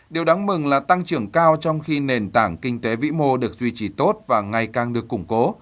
điều đáng mừng là tăng trưởng cao trong khi nền tảng kinh tế vĩ mô được duy trì tốt và ngày càng được củng cố